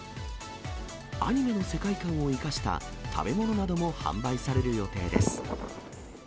アニメの世界観を生かした食べ物なども販売される予定です。